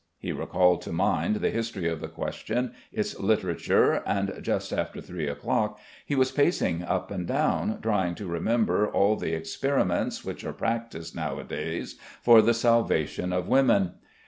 He recalled to mind the history of the question, its literature, and just after three o'clock he was pacing up and down, trying to remember all the experiments which are practised nowadays for the salvation of women.